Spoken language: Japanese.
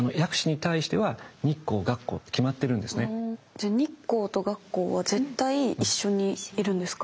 じゃあ日光と月光は絶対一緒にいるんですか？